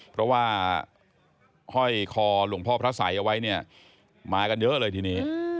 เพราะว่าห้อยคอหลวงพ่อพระสัยเอาไว้เนี่ยมากันเยอะเลยทีนี้